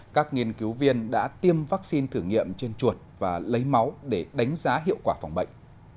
các nghiên cứu viên đã tiêm vaccine thử nghiệm trên chuột và lấy máu để đánh giá hiệu quả phòng bệnh